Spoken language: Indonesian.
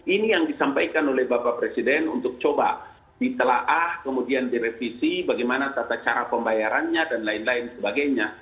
ini yang disampaikan oleh bapak presiden untuk coba ditelaah kemudian direvisi bagaimana tata cara pembayarannya dan lain lain sebagainya